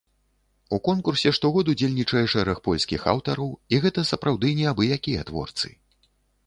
У конкурсе штогод удзельнічае шэраг польскіх аўтараў, і гэта сапраўды не абы-якія творцы.